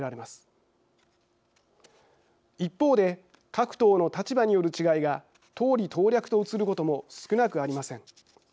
一方で各党の立場による違いが党利党略と映ることも少なくありません。